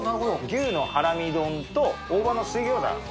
牛のハラミ丼と大葉の水餃子